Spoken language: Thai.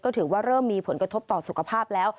ถือว่าเริ่มมีผลกระทบต่อสุขภาพแล้ว